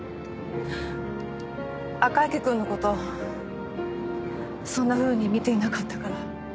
赤池くんの事そんなふうに見ていなかったから。